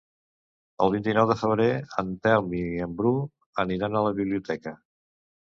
El vint-i-nou de febrer en Telm i en Bru aniran a la biblioteca.